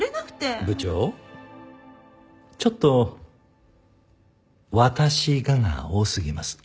部長ちょっと「私が」が多すぎます。